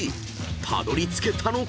たどりつけたのか？］